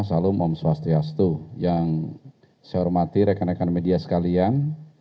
salam om swastiastu yang saya hormati rekan rekan media sekalian